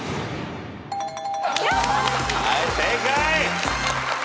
はい正解。